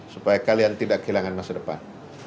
supaya kalian tidak kehilangan masa depan